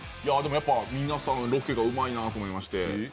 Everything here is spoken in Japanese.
皆さん、ロケがうまいなと思いまして。